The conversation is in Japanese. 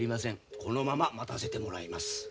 このまま待たせてもらいます。